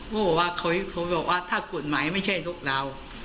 พูดบอกว่าเคยบอกว่าถ้ากฏหมายไม่ใช่ลูกเรา